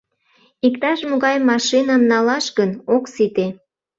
Иктаж-могай машиным налаш гын, ок сите.